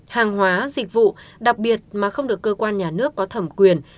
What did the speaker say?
hàng hóa dịch vụ đặc biệt mà không được cơ quan nhà nước có thẩm quyền